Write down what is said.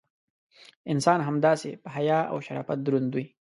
انسان همداسې: په حیا او شرافت دروند وي.